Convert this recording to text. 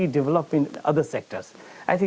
it berkembang di sektor lain